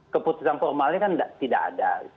keputusan formalnya kan tidak ada